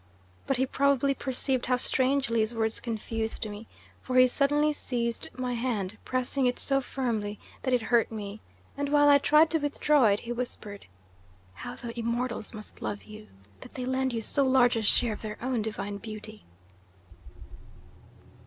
But he probably perceived how strangely his words confused me, for he suddenly seized my hand, pressing it so firmly that it hurt me, and while I tried to withdraw it he whispered, 'How the immortals must love you, that they lend you so large a share of their own divine beauty!